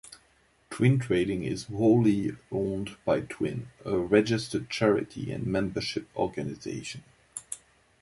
Twin Trading is wholly owned by Twin, a registered charity and membership organisation.